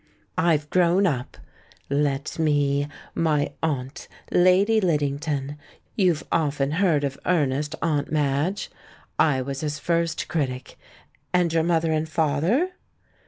"I've grown up. Let me ... my aunt, Lady Liddington. You've often heard of Ernest, Aunt Madge. I was his first critic. And your mother and father?"